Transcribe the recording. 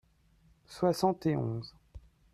soixante et onze.